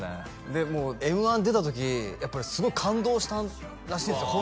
でもうＭ−１出た時やっぱりすごい感動したらしいんですよ